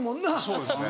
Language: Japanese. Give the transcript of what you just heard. そうですね。